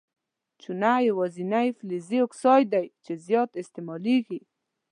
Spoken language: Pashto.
چونه یوازیني فلزي اکساید دی چې زیات استعمالیږي.